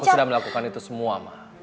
aku sudah melakukan itu semua